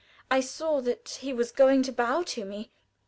I saw that he was going to bow to me.